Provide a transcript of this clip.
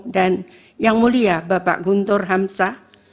dan yang mulia bapak guntur hamsa